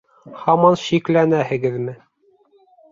Һаман шикләнәһегеҙме?